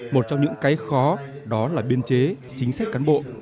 một trong những cái khó đó là biên chế chính sách cán bộ